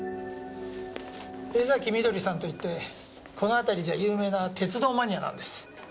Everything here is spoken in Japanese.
江崎みどりさんといってこの辺りじゃ有名な鉄道マニアなんです。